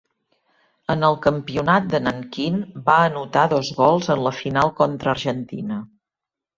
En el campionat de Nanquín va anotar dos gols en la final contra Argentina.